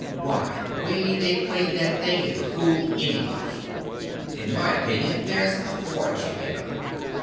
Why, the way they played that thing it would fool anybody. In my opinion, there's a fortune in 'em.